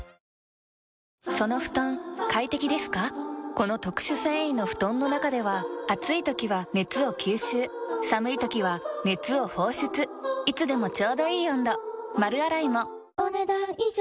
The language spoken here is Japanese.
この特殊繊維の布団の中では暑い時は熱を吸収寒い時は熱を放出いつでもちょうどいい温度丸洗いもお、ねだん以上。